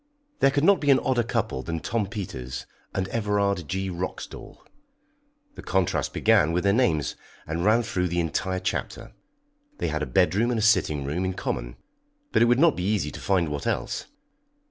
There could not be an odder couple than Tom Peters and Everard G. Roxdal the contrast began with their names, and ran through the entire chapter. They had a bedroom and a sitting room in common, but it would not be easy to find what else.